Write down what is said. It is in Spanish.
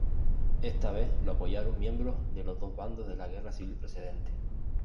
Esta vez lo apoyaron miembros de los dos bandos de la guerra civil precedente.